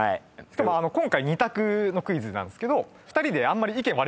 今回２択のクイズなんですけど。